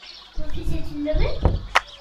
Mon fils est-il levé ?